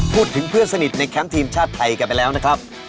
เพื่อนสนิทในแคมป์ทีมชาติไทยกันไปแล้วนะครับ